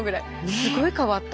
すごい変わった。